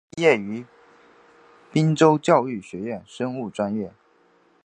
毕业于滨州教育学院生物专业。